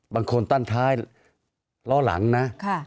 บางคนตั้งท้ายล้อหลังนะ